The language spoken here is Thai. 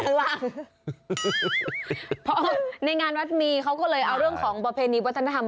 พอในงานวัดมีเขาก็เลยเอาเรื่องของประเพณีวัฒนธรรม